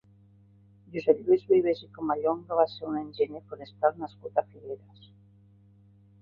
Josep Lluís Vives i Comallonga va ser un enginyer forestal nascut a Figueres.